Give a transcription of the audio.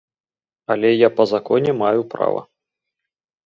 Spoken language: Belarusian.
Але я па законе маю права.